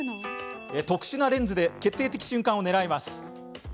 特殊なレンズで決定的瞬間を狙います。